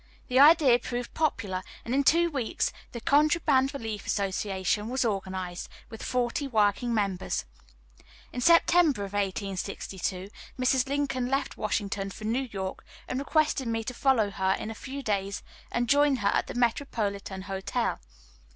The idea proved popular, and in two weeks "the Contraband Relief Association" was organized, with forty working members. In September of 1862, Mrs. Lincoln left Washington for New York, and requested me to follow her in a few days, and join her at the Metropolitan Hotel.